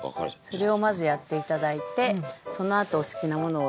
それをまずやっていただいてそのあとお好きなものを漬けて。